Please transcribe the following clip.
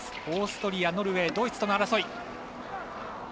オーストリア、ノルウェードイツとの争い。